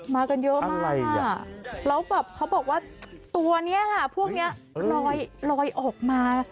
มากันเยอะมากแล้วแบบเขาบอกว่าตัวนี้ค่ะพวกนี้ลอยออกมา